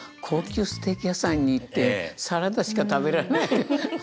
高級ステーキ屋さんに行ってサラダしか食べられないって。